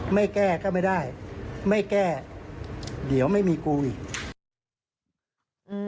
ไม่แก้ก็ไม่ได้ไม่แก้เดี๋ยวไม่มีกูอีก